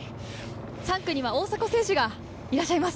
３区には大迫選手がいらっしゃいます。